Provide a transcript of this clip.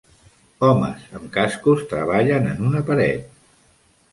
Homes amb cascos treballen en una paret.